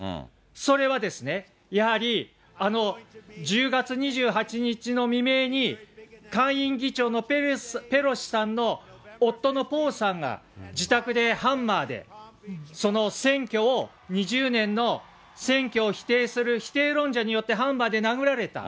それは、やはりあの１０月２８日の未明に、下院議長のペロシさんの夫のポーさんが自宅でハンマーで、その選挙を、２０年の選挙を否定する否定論者によって、ハンマーで殴られた。